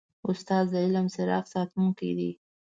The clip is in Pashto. استاد د علم د څراغ ساتونکی دی.